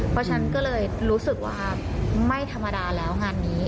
เพราะฉะนั้นก็เลยรู้สึกว่าไม่ธรรมดาแล้วงานนี้